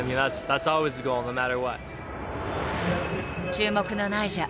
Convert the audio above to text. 注目のナイジャ。